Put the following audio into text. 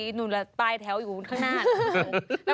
หนูแหละปลายแถวอยู่ข้างหน้า